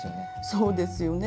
そうですよね。